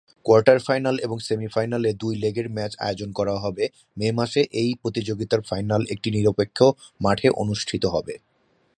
Quarter final এবং সেমিফাইনালে দুই লেগের ম্যাচ আয়োজন করা হবে, মে মাসে এই প্রতিযোগিতার ফাইনাল একটি নিরপেক্ষ মাঠে অনুষ্ঠিত হবে।